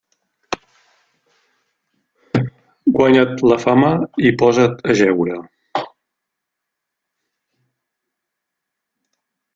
Guanya't la fama i posa't a jeure.